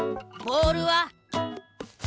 ボールは！？